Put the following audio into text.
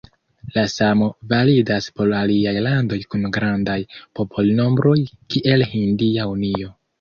La samo validas por aliaj landoj kun grandaj popolnombroj kiel Hindia Unio.